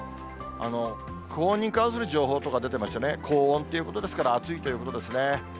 高温に関する情報とか出てましてね、高温ということですから、暑いということですね。